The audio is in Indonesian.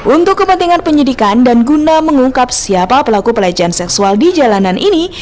untuk kepentingan penyidikan dan guna mengungkap siapa pelaku pelecehan seksual di jalanan ini